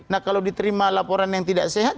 nah kalau diterima laporan yang tidak sehat